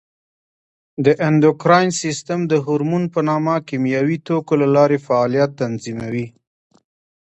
د اندوکراین سیستم د هورمون په نامه کیمیاوي توکو له لارې فعالیت تنظیموي.